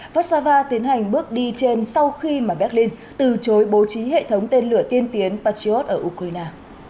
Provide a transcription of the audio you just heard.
vasava tiến hành bước đi trên sau khi mà berlin từ chối bố trí hệ thống tên lửa tiên tiến patriot ở ukraine